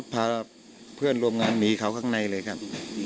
พาเพื่อนร่วมงานหนีเขาข้างในเลยครับ